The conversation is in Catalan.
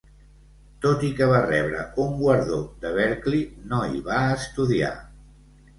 Tot i que va rebre un guardó de Berklee, no hi va estudiar.